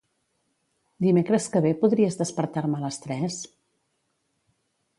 Dimecres que ve podries despertar-me a les tres?